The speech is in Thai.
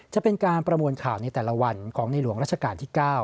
จะเป็นการประมวลข่าวในแต่ละวันของในหลวงราชการที่๙